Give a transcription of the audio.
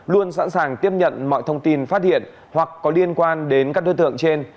luôn sẵn sàng tiếp nhận mọi thông tin phát hiện hoặc có liên quan đến các đối tượng trên